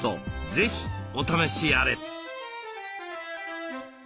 是非お試しあれ。